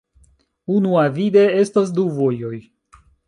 Unuavide estas du vojoj.